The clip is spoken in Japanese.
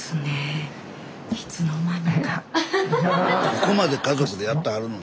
ここまで家族でやってはるの。